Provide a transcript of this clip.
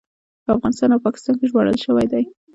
په افغانستان او پاکستان کې ژباړل شوی دی.